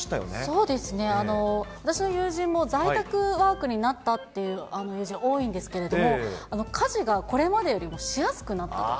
そうですね、私の友人も、在宅ワークになったっていう友人、多いんですけれども、家事がこれまでよりもしやすくなったと。